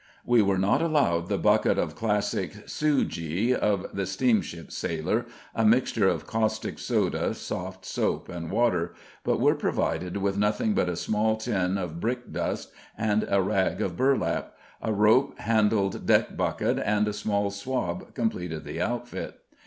We were not allowed the bucket of classic "sewgee" of the steam ship sailor, a mixture of caustic soda, soft soap and water, but were provided with nothing but a small tin of brick dust and a rag of burlap; a rope handled deck bucket and a small swab completed the outfit.